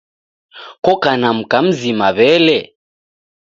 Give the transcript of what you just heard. Koka na mka mzima wele?